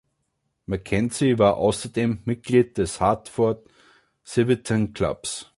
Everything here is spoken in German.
Mackenzie war außerdem Mitglied des Hartford Civitan Clubs.